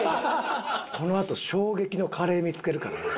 このあと衝撃のカレー見つけるからな。